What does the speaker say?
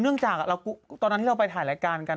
นั่งจากตอนที่เราไปถ่ายแรการกัน